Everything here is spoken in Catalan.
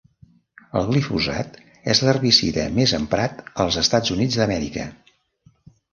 El glifosat és l'herbicida més emprat als Estats Units d'Amèrica.